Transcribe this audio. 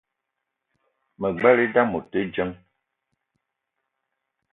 Me gbelé idam ote djeng